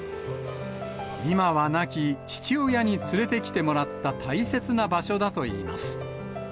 今は亡き父親に連れてきてもらった大切な場所だといいます。